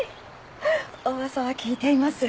お噂は聞いています。